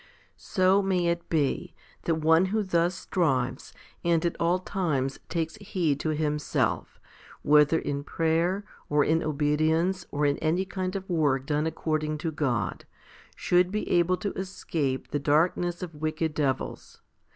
2 ii. So may it be, that one who thus strives, and at all times takes heed to himself, whether in prayer, or in obedience, or in any kind of work done according to God, should be able to escape the darkness of wicked devils.